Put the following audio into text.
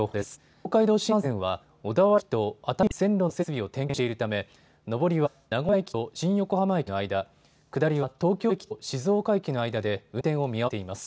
東海道新幹線は小田原駅と熱海駅の間で線路の設備を点検しているため上りは名古屋駅と新横浜駅の間、下りは東京駅と静岡駅の間で運転を見合わせています。